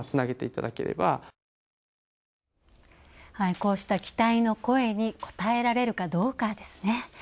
こうした期待の声にこたえられるかどうかですね。